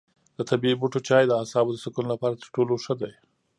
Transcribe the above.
د طبیعي بوټو چای د اعصابو د سکون لپاره تر ټولو ښه دی.